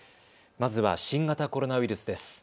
まずは新型コロナウイルスです。